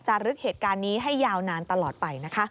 ลึกเหตุการณ์นี้ให้ยาวนานตลอดไปนะคะ